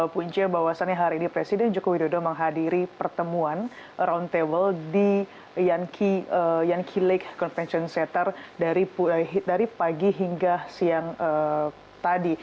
punca bahwasannya hari ini presiden joko widodo menghadiri pertemuan round table di yankey lake convention center dari pagi hingga siang tadi